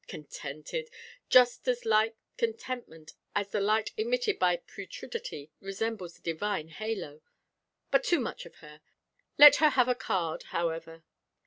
Contented! just as like contentment as the light emitted by putridity resembles the divine halo! But too much of her. Let her have a card, however.